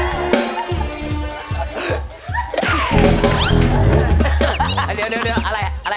เออไม่ต้องเปลี่ยนอะไรมาก